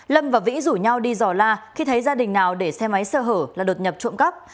lâm và vĩ rủ nhau đi dò la khi thấy gia đình nào để xe máy sơ hở là đột nhập trộm cắp